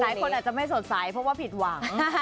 หลายคนอาจจะไม่สดใสเพราะว่าผิดหวัง